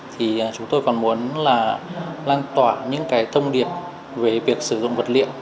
thì chúng tôi còn muốn là lan tỏa những cái thông điệp về việc sử dụng vật liệu